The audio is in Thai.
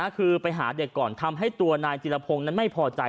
คือไปหาเด็กก่อนทำให้ตัวนายจิรพงศ์นั้นไม่พอใจ